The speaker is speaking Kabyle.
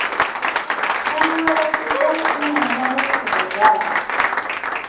Anwa ara tifeḍ ma yella ur txeddmeḍ ara?